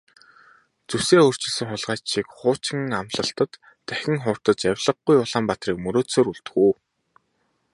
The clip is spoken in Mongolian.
Зүсээ өөрчилсөн хулгайч шиг хуучин амлалтад дахин хууртаж авлигагүй Улаанбаатарыг мөрөөдсөөр үлдэх үү?